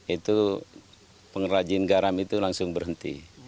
itu pengrajin garam itu langsung berhenti